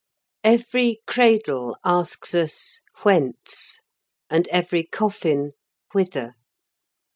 Every cradle asks us "Whence?" and every coffin "Whither?"